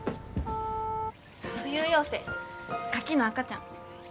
浮遊幼生カキの赤ちゃん。